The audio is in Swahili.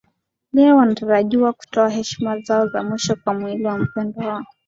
leo wanatarajiwa kutoa heshima zao za mwisho kwa miili ya wapendwa wao